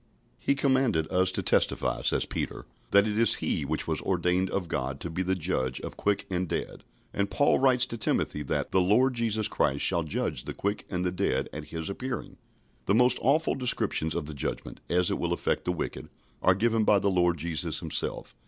" "He commanded us to testify," says Peter, "that it is he which was ordained of God to be the Judge of quick and dead." And Paul writes to Timothy that "the Lord Jesus Christ shall judge the quick and the dead at his appearing." The most awful descriptions of the Judgment, as it will affect the wicked, are given by the Lord Jesus Himself.